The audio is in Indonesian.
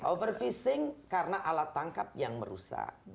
over fishing karena alat tangkap yang merusak